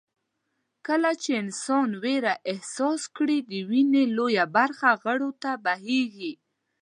کله چې انسان وېره احساس کړي د وينې لويه برخه غړو ته بهېږي.